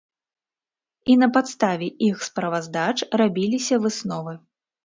І на падставе іх справаздач рабіліся высновы.